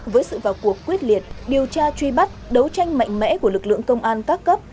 với sự vào cuộc quyết liệt điều tra truy bắt đấu tranh mạnh mẽ của lực lượng công an các cấp